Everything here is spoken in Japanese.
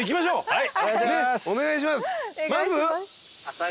はい。